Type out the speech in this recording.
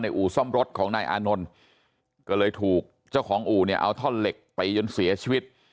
อู่ซ่อมรถของนายอานนท์ก็เลยถูกเจ้าของอู่เนี่ยเอาท่อนเหล็กไปจนเสียชีวิต